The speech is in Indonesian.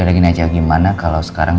jalankan aja gimana kalau sekarang